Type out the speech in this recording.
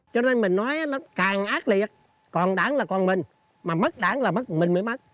cho nên mình nói nó càng ác liệt còn đảng là còn mình mà mất đảng là mất mình mới mất